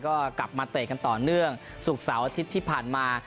ก็กลับมาเตะกันต่อเนื่องศุกร์เสาร์อาทิตย์ที่ผ่านมา